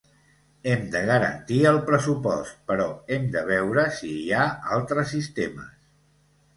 Hem de garantir el pressupost però hem de veure si hi ha altres sistemes.